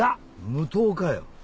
無糖かよ